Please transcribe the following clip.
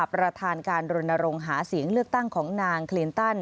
ประธานการรณรงค์หาเสียงเลือกตั้งของนางคลินตัน